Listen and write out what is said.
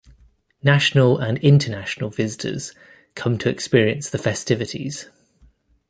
National and international visitors come to experience the festivities.